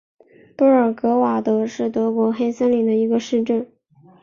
布尔格瓦尔德是德国黑森州的一个市镇。